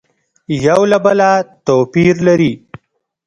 یو له بله تو پیر لري